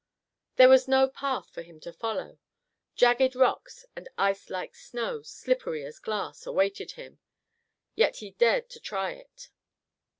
There was no path for him to follow. Jagged rocks and ice like snow, slippery as glass, awaited him; yet he dared to try it.